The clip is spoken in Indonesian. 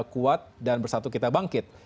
kuat dan bersatu kita bangkit